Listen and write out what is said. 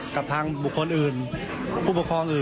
กับทางบุคคลอื่นผู้ปกครองอื่น